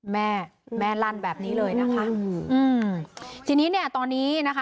แม่แม่ลั่นแบบนี้เลยนะคะอืมทีนี้เนี่ยตอนนี้นะคะ